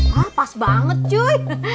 hah pas banget cuy